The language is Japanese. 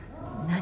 「何？」